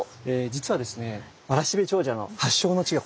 実はですね「わらしべ長者」の発祥の地が。